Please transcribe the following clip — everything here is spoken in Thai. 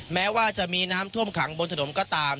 แม้ว่าจะมีน้ำท่วมขังบนถนนก็ตาม